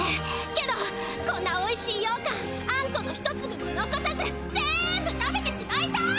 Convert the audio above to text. けどこんなおいしいようかんあんこの一つぶものこさずぜんぶ食べてしまいたい！